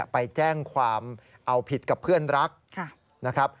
ไปแจ้งความเอาผิดกับเพื่อนรัก